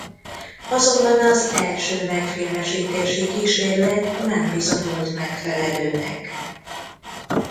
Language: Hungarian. Azonban az első megfilmesítési kísérlet nem bizonyult megfelelőnek.